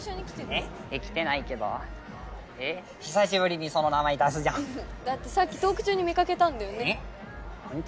えっ？えっ来てないけどえっ久しぶりにその名前出すじゃんだってさっきトーク中に見かけたんだよねえっほんと？